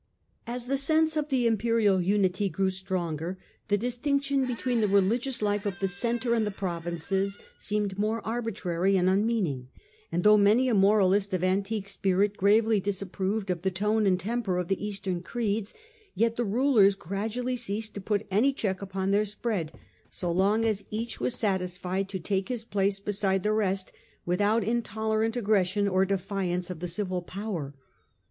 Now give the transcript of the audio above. As the sense of the imperial unity grew stronger, the distinction between the religious life of the centre and the provinces seemed more arbitrary and unmeaning ; and though many a moralist of antique spirit gravely disap proved of the tone and temper of the eastern creeds, yet the rulers gradually ceased to put any check upon their spread, so long as each was satisfied to take his place beside the rest without intolerant aggression or defiance of the civil power.